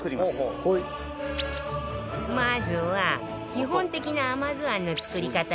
まずは基本的な甘酢あんの作り方と一緒